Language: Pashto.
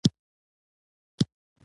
سر يې لڅ و او که پټ و